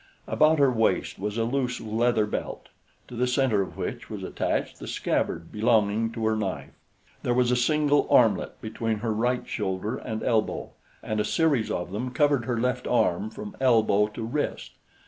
About her waist was a loose leather belt, to the center of which was attached the scabbard belonging to her knife. There was a single armlet between her right shoulder and elbow, and a series of them covered her left forearm from elbow to wrist.